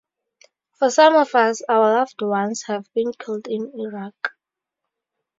For some of us, our loved ones have been killed in Iraq.